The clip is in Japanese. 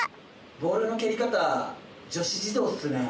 ・ボールの蹴り方女子児童っすね。